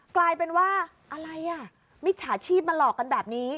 กลายเป็นว่าอะไรอ่ะมิจฉาชีพมาหลอกกันแบบนี้